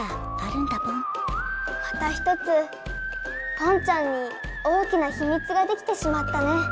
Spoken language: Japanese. また１つぽんちゃんに大きなひみつができてしまったね。